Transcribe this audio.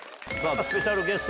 スペシャルゲスト